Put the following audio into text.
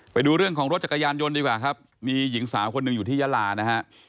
ไปดูเรื่องของรถจักรยานยนต์ดีกว่าครับมีหญิงสาวคนหนึ่งอยู่ที่ยาลานะฮะ